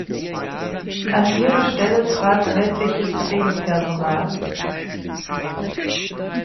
An ihre Stelle trat weltliches Pflegepersonal.